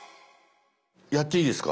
やっていいですか？